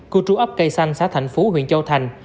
cô trú ấp cây xanh xã thành phú huyện châu thành